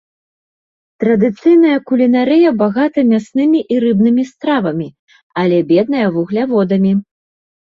Традыцыйная кулінарыя багата мяснымі і рыбнымі стравамі, але бедная вугляводамі.